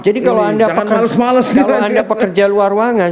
jadi kalau anda pekerja luar ruangan